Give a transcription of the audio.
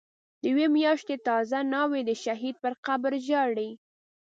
د یوی میاشتی تازه ناوی، دشهید پر قبرژاړی